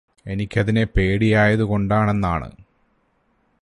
എനിക്കതിനെ പേടിയായത് കൊണ്ടാണെന്നാണ്